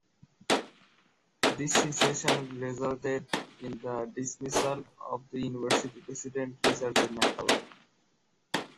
This situation resulted in the dismissal of the university president, Richard J. McCallum.